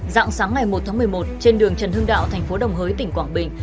dạng sáng ngày một tháng một mươi một trên đường trần hưng đạo thành phố đồng hới tỉnh quảng bình